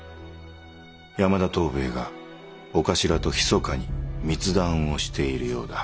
山田藤兵衛が長官とひそかに密談をしているようだ。